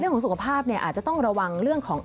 เรื่องของสุขภาพอาจจะต้องระวังเรื่องของ